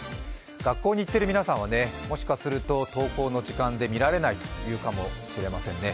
学校に行ってる皆さんは、もしかすると登校の時間で見られないというかもしれませんね。